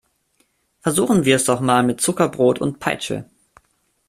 Versuchen wir es doch mal mit Zuckerbrot und Peitsche!